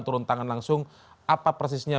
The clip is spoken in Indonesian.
turun tangan langsung apa persisnya